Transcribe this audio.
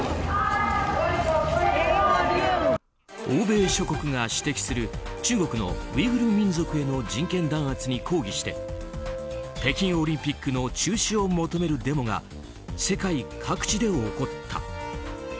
欧米諸国が指摘する中国のウイグル民族への人権弾圧に抗議して北京オリンピックの中止を求めるデモが世界各地で起こった。